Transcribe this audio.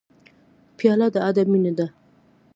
پیاله د ادب مینه ده.